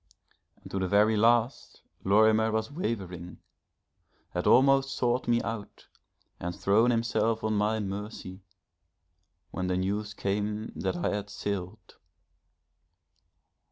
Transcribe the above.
And to the very last Lorimer was wavering had almost sought me out, and thrown himself on my mercy, when the news came that I had sailed.